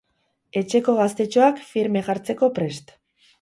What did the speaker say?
Etxeko gaztetxoak firme jartzeko prest.